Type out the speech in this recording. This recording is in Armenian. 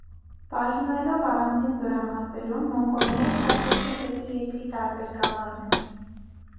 Բաժնուելով առանձին զորամասերու՝ մոնկոլները շարժեցան դէպի երկրի տարբեր գաւառներ։